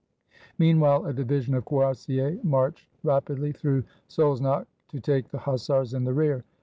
Meanwhile a division of cuirassiers marched rapidly through Szolnok to take the hussars in the rear.